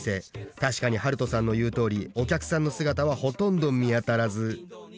確かにはるとさんの言うとおりお客さんの姿はほとんど見当たらず。